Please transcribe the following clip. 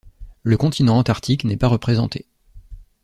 Le continent antarctique n'est pas représenté.